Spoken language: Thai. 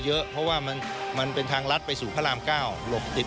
เยอะเพราะว่ามันเป็นทางลัดไปสู่พระรามเก้าหลบติด